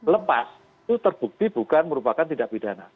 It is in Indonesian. lepas itu terbukti bukan merupakan tindak pidana